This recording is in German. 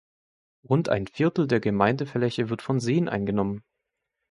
Rund ein Viertel der Gemeindefläche wird von Seen eingenommen.